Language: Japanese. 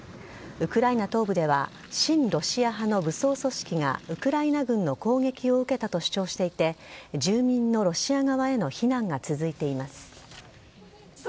ウクライナ東部では、親ロシア派の武装組織がウクライナ軍の攻撃を受けたと主張していて、住民のロシア側への避難が続いています。